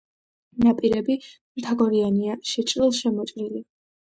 ნაპირები მთაგორიანია, შეჭრილ-შემოჭრილი.